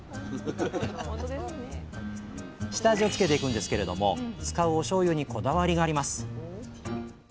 下味をつけていくんですけれども使うおしょうゆにこだわりがあります。